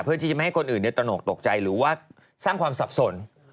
เพื่อที่จะไม่ให้คนอื่นตนกตกใจหรือว่าสร้างความสับสน